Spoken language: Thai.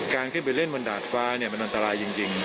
การขึ้นไปเล่นบนดาดฟ้ามันอันตรายจริง